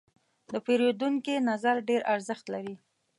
د پیرودونکي نظر ډېر ارزښت لري.